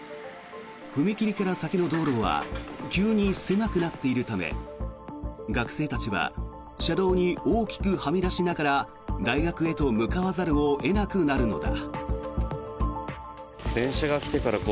踏切から先の道路は急に狭くなっているため学生たちは車道に大きくはみ出しながら大学へと向かわざるを得なくなるのだ。